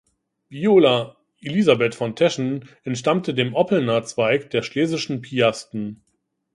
Viola Elisabeth von Teschen entstammte dem Oppelner Zweig der schlesischen Piasten.